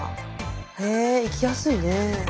へえ行きやすいね。